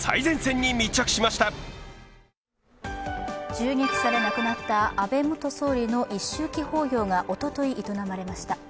銃撃されなくなった安倍元総理の一周忌法要がおととい、営まれました。